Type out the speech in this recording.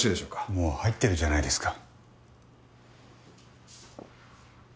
もう入ってるじゃないですか。